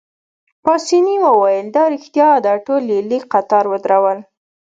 پاسیني وویل: دا ريښتیا ده، ټول يې لیک قطار ودرول.